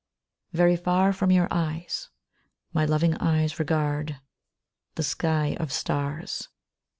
VERY far from your eyes My loving eyes regard The sky of stars.